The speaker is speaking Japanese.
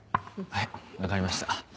はい分かりました。